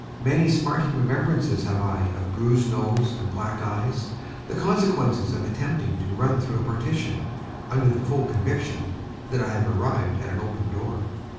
Many smarting remembrances have I of bruised nose and black eyes, the consequences of attempting to run through a partition, under the full conviction that I have arrived at an open door.